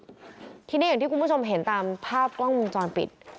เหมือนที่คุณผู้ชมเห็นตามภาพกล้องมูลจอนปิด